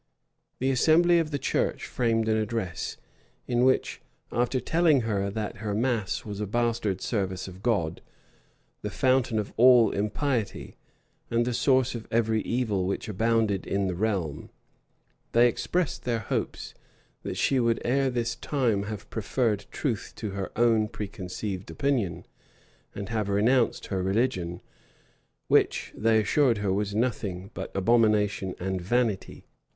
The assembly of the church framed an address, in which, after telling her that her mass was a bastard service of God, the fountain of all impiety, and the source of every evil which abounded in the realm, they expressed their hopes, that she would ere this time have preferred truth to her own preconceived opinion, and have renounced her religion, which, they assured her, was nothing but abomination and vanity.